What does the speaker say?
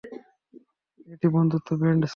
এটি বন্ধুত্ব band sir.